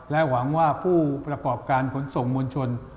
หวังว่าผู้ประกอบการขนส่งมวลชน